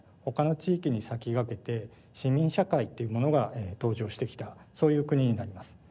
他の地域に先駆けて市民社会っていうものが登場してきたそういう国になります。